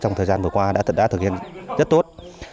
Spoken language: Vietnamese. trong thời gian vừa qua đã thực hiện rất tốt